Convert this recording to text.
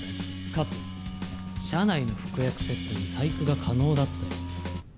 かつ車内の服薬セットに細工が可能だった奴。